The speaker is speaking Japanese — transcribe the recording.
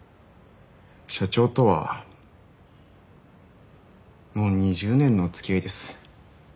社長とはもう２０年の付き合いです。